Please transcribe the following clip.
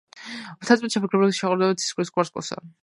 მთაწმინდა ჩაფიქრებულა შეჰყურებს ცისკრის ვარსკვლავსა.